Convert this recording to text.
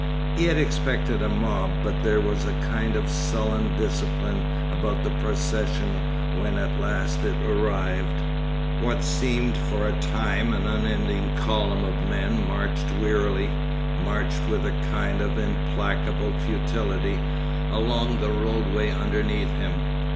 He had expected a mob but there was a kind of sullen discipline about the procession when at last it arrived. What seemed for a time an unending column of men marched wearily, marched with a kind of implacable futility, along the roadway underneath him.